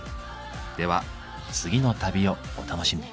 では次の旅をお楽しみに。